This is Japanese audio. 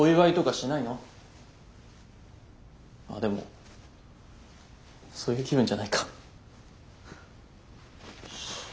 あでもそういう気分じゃないか。